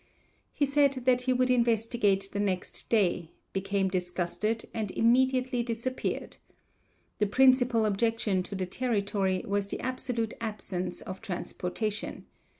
He said that he would investigate the next day, became disgusted and immediately disappeared. The principal objection to the territory was the absolute absence of transportation.